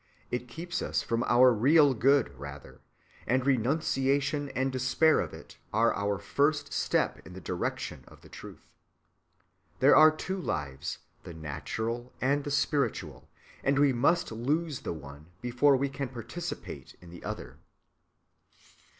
It keeps us from our real good, rather; and renunciation and despair of it are our first step in the direction of the truth. There are two lives, the natural and the spiritual, and we must lose the one before we can participate in the other.